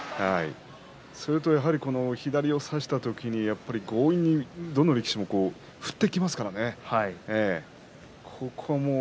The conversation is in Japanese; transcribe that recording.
それと左を差したあとにどの力士も強引に振ってきますからね。